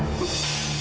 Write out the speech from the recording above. kamu berapa bayar